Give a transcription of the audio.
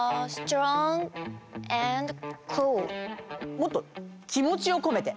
．もっと気もちをこめて。